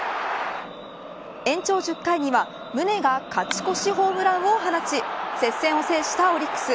延長１０回には宗が勝ち越しホームランを放ち接戦を制したオリックス。